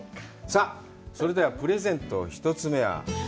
さあ、それでは、プレゼントの１つ目は？